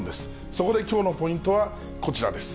そこできょうのポイントはこちらです。